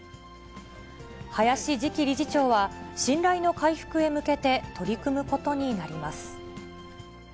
林次期理事長は、信頼の回復へ向けて、取り組むことになります。